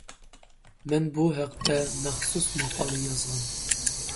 مەن بۇ ھەقتە مەخسۇس ماقالە يازغان.